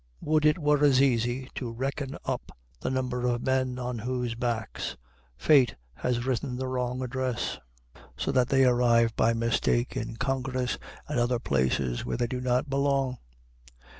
Would it were as easy to reckon up the number of men on whose backs fate has written the wrong address, so that they arrive by mistake in Congress and other places where they do not belong!